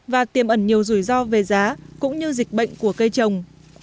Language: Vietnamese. và tiềm ẩn nhiều rủi ro về giá cũng như dịch bệnh của cây trồng